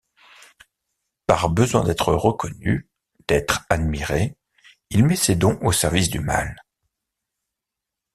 Par besoin d’être reconnu, d’être admiré, il met ses dons au service du mal.